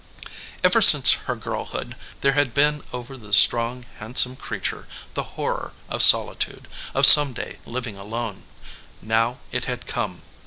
Ever since her girlhood, there had been over the strong, handsome creature, the horror of solitude, of some day living alone. Now it had come.